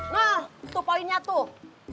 nah tuh poinnya tuh